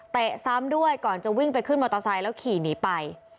ซ้ำด้วยก่อนจะวิ่งไปขึ้นมอเตอร์ไซค์แล้วขี่หนีไป